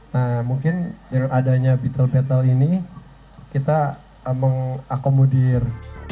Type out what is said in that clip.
nah mungkin dengan adanya battle battle ini kita mengakomodir